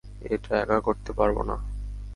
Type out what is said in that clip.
এটা একা করতে পারবো না।